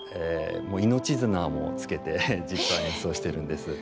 命綱もつけて実際にそうしてるんです。